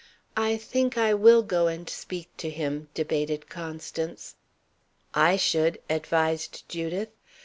"I think I will go and speak to him," debated Constance. "I should," advised Judith.